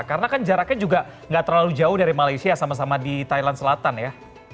karena kan jaraknya juga nggak terlalu jauh dari malaysia sama sama di thailand selatan ya